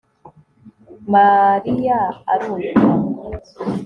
Mariya arumirwa